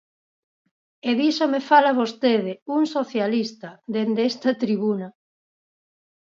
¡E diso me fala vostede, un socialista, dende esta tribuna!